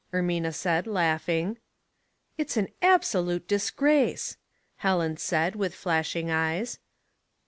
" Ermina said laughing. " It's an absolute disgrace," Helen said, with flashing eyes.